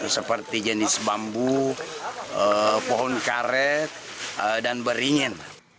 seperti jenis bambu pohon karet dan beringin